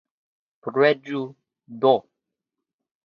Preĝu do!